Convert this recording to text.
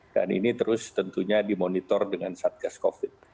dan ini terus tentunya dimonitor dengan saat kasus covid